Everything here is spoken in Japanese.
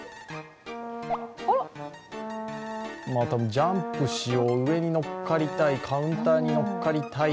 ジャンプしよう、上に乗っかりたいカウンターに乗っかりたい。